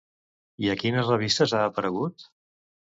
I a quines revistes ha aparegut?